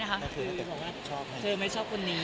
เอาแหละก็ไม่ออกเลย